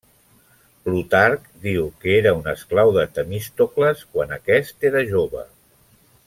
Plutarc diu que era un esclau de Temístocles quan aquest era jove.